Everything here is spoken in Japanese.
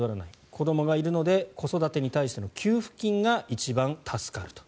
子どもがいるので子育てに対しての給付金が一番助かると。